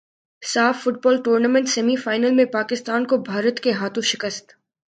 ساف football tournament semi final میں پاکستان کو بھارت کے ہاتھوں شکست